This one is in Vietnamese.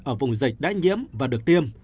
ở vùng dịch đã nhiễm và được tiêm